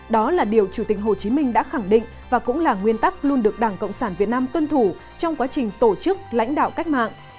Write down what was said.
đó là điều chủ tịch hồ chí minh đã khẳng định và cũng là nguyên tắc luôn được đảng cộng sản việt nam tuân thủ trong quá trình tổ chức lãnh đạo cách mạng